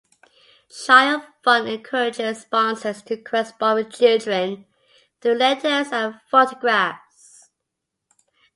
ChildFund encourages sponsors to correspond with children through letters and photographs.